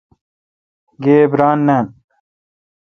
گیب ران نان۔